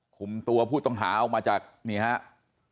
คุมตัวผู้ต้องหาออกมาจากนี่ครับ